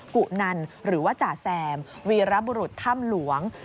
กุนันหรือว่าจ่าแซมวีรบุรุษถ้ำหลวง